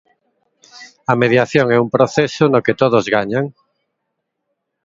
A mediación é un proceso no que todos gañan.